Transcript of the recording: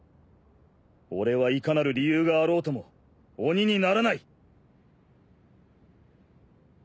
俺はいかなる理由があろうとも鬼にならない。